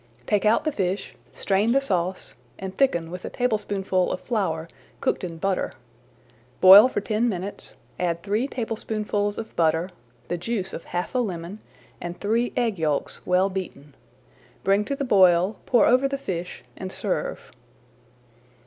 Take out the fish, strain the sauce, and thicken with a tablespoonful of flour cooked in butter. Boil for ten minutes, add three tablespoonfuls of butter, the juice of half a lemon and three egg yolks well beaten. Bring to the boil, pour over the fish, and serve.